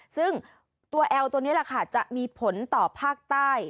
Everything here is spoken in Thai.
ซึ่งตัวแอลตัวนี้แหละค่ะจะมีผลต่อภาคใต้